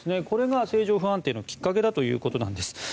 これが政情不安定のきっかけだということなんです。